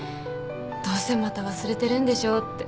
どうせまた忘れてるんでしょって。